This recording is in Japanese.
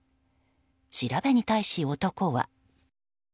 調べに対し、男は。